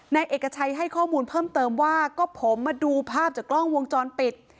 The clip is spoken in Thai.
นายเอกชัยให้ข้อมูลเพิ่มเติมว่าก็ผมมาดูภาพจากกล้องวงจรปิด